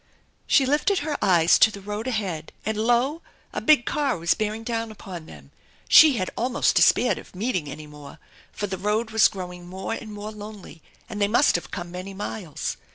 She lifted her eyes to the road ahead and lo, a big car was bearing down upon them ! She had almost despaired of meet ing any more, for the road was growing more and more lonely and they must have come many miles.